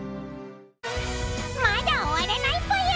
まだおわらないぽよ。